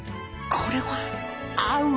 これは合う！